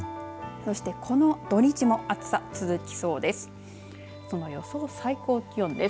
そしてこの土日も暑さ続きそうです。